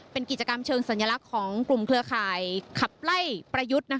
เป็นกิจกรรมเชิงสัญลักษณ์ของกลุ่มเครือข่ายขับไล่ประยุทธ์